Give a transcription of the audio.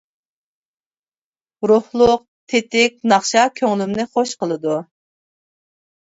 روھلۇق تېتىك ناخشا كۆڭلۈمنى خۇش قىلىدۇ.